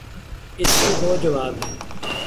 اس کے دو جواب ہیں۔